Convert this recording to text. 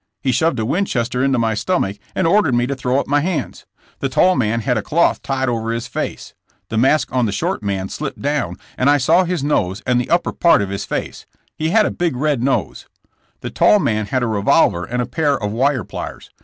He shoved a "Winchester into my stomach and ordered me to throw up my hands. The tall man had a cloth tied over his face. The mask on the short man slipped down, and I saw his nose and the upper part of his face. He had a big red nose. The tall man had a revolver and a pair of wire pliers.